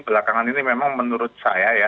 belakangan ini memang menurut saya ya